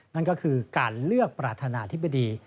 นั่นก็คือการเลือกประธานาธิบดี